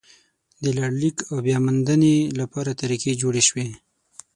د لړلیک او بیا موندنې لپاره طریقې جوړې شوې.